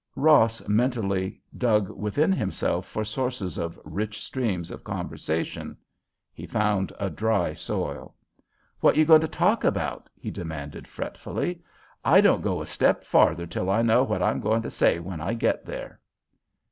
'" Ross mentally dug within himself for sources of rich streams of conversation. He found a dry soil. "What you goin' to talk about?" he demanded, fretfully. "I won't go a step farther till I know what I'm goin' to say when I get there."